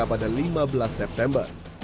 pada lima belas september